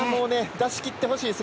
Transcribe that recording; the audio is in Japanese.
出しきってほしいです